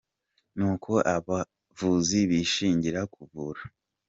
N’uko abo bavuzi bishingira kuvura